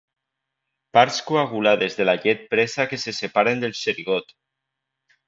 Parts coagulades de la llet presa que se separen del xerigot.